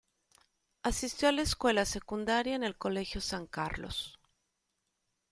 Asistió a la escuela secundaria en el Colegio San Carlos.